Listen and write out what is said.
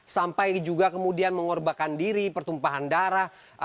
sampai juga kemudian mengorbankan diri pertumpahan darah